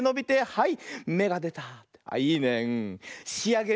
はい。